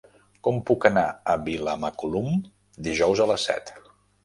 Com puc anar a Vilamacolum dijous a les set?